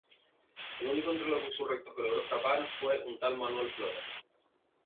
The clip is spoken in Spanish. El único entre los insurrectos que logró escapar fue un tal Manuel Flores.